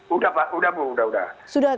udah pak udah bu udah udah